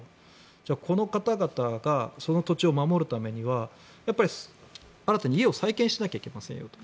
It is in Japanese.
じゃあ、この方々がその土地を守るためには新たに家を再建しなきゃいけませんよと。